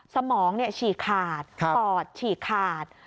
สมองฉี่ขาดปอดฉีกขาด